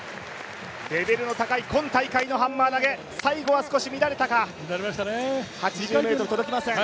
レベルの高い今大会のハンマー投、最後は少し乱れたか、８０ｍ届きません。